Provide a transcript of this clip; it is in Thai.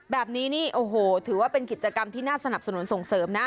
แบบนี้นี่โอ้โหถือว่าเป็นกิจกรรมที่น่าสนับสนุนส่งเสริมนะ